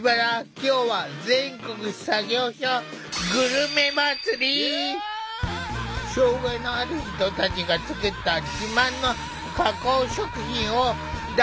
今日は障害のある人たちが作った自慢の加工食品を大特集！